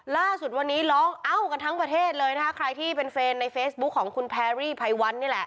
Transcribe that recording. ล่าสุดวันนี้ร้องเอ้ากันทั้งประเทศเลยนะคะใครที่เป็นเฟรนในเฟซบุ๊คของคุณแพรรี่ไพวันนี่แหละ